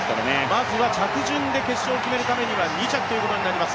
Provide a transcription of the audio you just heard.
まずは着順で決勝を決めるためには２着ということになります。